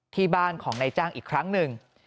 ที่บ้านของนายจ้างอีกครั้งหนึ่ง